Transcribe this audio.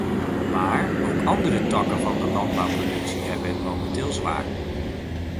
Maar ook andere takken van de landbouwproductie hebben het momenteel zwaar.